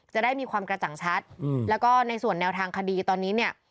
จะได้มีความกระจ่างชัดแล้วก็ในส่วนแนวทางคดีตอนนี้เนี่ย